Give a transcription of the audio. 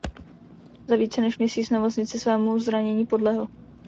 Za více než měsíc v nemocnici svému zranění podlehl.